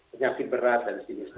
penyakit berat dan sebagainya